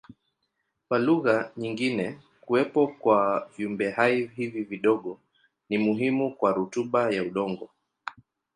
Kwa lugha nyingine kuwepo kwa viumbehai hivi vidogo ni muhimu kwa rutuba ya udongo.